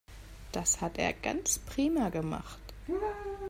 Das hat er ganz prima gemacht.